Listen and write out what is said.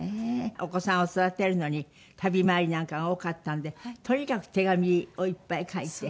お子さんを育てるのに旅回りなんかが多かったんでとにかく手紙をいっぱい書いて。